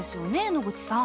野口さん。